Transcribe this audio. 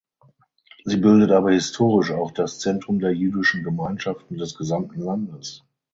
Sie bildet aber historisch auch das Zentrum der jüdischen Gemeinschaften des gesamten Landes.